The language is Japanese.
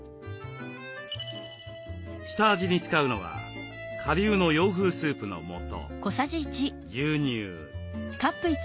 下味に使うのは顆粒の洋風スープの素牛乳。